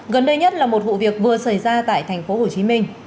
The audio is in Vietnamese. gần đây nhất là một vụ việc vừa xảy ra tại thành phố hồ chí minh